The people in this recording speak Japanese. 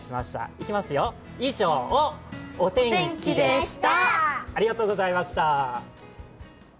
いきますよ、以上、お天気でした。